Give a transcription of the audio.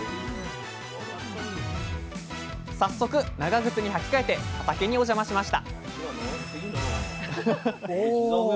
早速長靴に履き替えて畑にお邪魔しましたお！